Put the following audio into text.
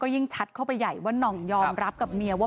ปี๖๕วันเกิดปี๖๔ไปร่วมงานเช่นเดียวกัน